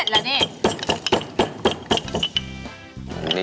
ทำไมทำอย่างนี้